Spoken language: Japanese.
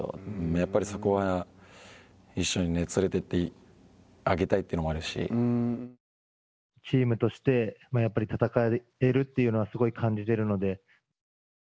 やっぱり、そこは一緒に連れていってあげたいチームとしてやっぱり戦えるというのはすごい感じてるので。